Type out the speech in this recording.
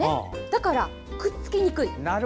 だから、くっつきにくい。